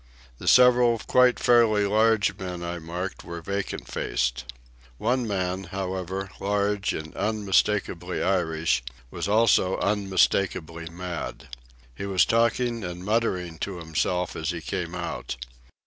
The several quite fairly large men I marked were vacant faced. One man, however, large and unmistakably Irish, was also unmistakably mad. He was talking and muttering to himself as he came out.